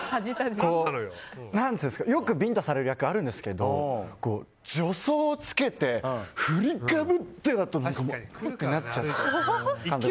よくビンタされる役あるんですけど助走をつけて振りかぶってだとうっってなっちゃう。